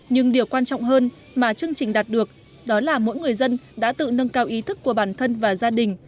nhưng điều quan trọng hơn mà chương trình đạt được đó là mỗi người dân đã tự nâng cao ý thức của bản thân và gia đình